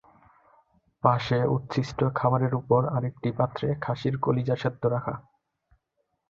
পাশে উচ্ছিষ্ট খাবারের ওপর আরেকটি পাত্রে খাসির কলিজা সেদ্ধ রাখা।